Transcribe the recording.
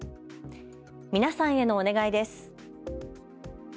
皆さんへのお願いです。